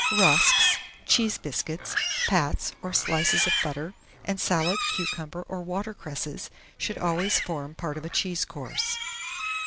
Rusks, cheese biscuits, pats or slices of butter, and salad, cucumber, or water cresses, should always form part of a cheese course.